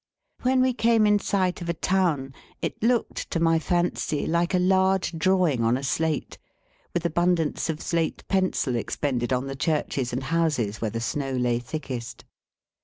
When we came in sight of a town, it looked, to my fancy, like a large drawing on a slate, with abundance of slate pencil expended on the churches and houses where the snow lay thickest.